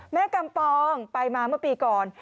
กำปองไปมาเมื่อปีก่อน